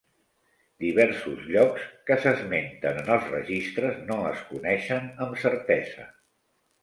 "Diversos llocs" que s'esmenten en els registres no es coneixen amb certesa.